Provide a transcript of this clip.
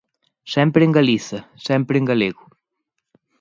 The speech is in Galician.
Sempre en Galiza, sempre en galego